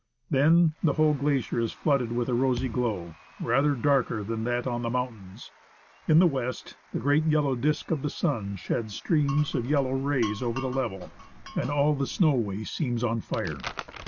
Then, the whole glacier is flooded with a rosy glow, rather darker than that on the mountains. In the west, the great yellow disk of the sun sheds streams of yellow rays over the level, and all the snow waste seems on fire.